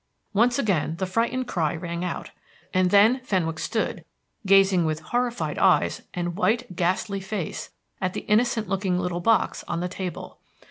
Once again the frightened cry rang out, and then Fenwick stood, gazing with horrified eyes and white, ghastly face at the innocent looking little box on the table.